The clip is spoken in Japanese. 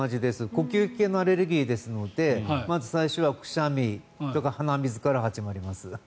呼吸器系のアレルギーなのでまず最初はくしゃみ、鼻水から始まります。